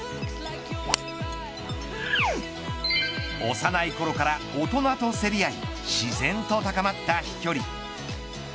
幼いころから大人と競り合い自然と高まった飛距離。